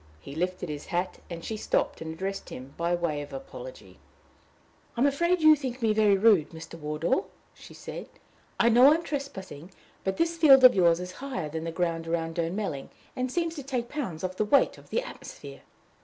He lifted his hat, and she stopped and addressed him by way of apology. "I am afraid you think me very rude, Mr. Wardour," she said. "I know I am trespassing, but this field of yours is higher than the ground about Durnmelling, and seems to take pounds off the weight of the atmosphere."